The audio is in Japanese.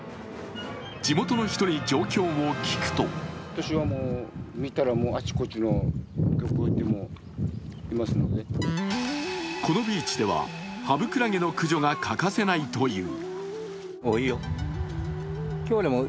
地元の人に状況を聞くとこのビーチではハブクラゲの駆除が欠かせないという。